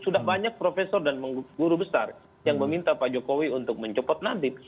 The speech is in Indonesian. sudah banyak profesor dan guru besar yang meminta pak jokowi untuk mencopot nadif